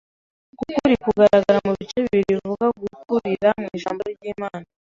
Uku kuri kugaragara mu bice bibiri bivuga ku gukurira mu Ijambo ry'Imana.